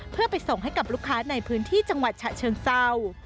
เพื่อไปส่งให้กับลูกค้าในพื้นที่จังหวัดฉะเชิงเศร้า